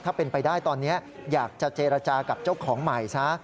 ถ้าเป็นไปได้ตอนนี้อยากจะเจรจากับเจ้าของใหม่ซะ